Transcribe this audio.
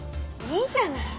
いいじゃない。